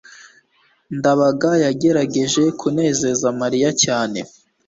ndabaga yagerageje kunezeza mariya cyane